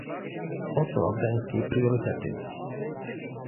Oto afgańskie priorytety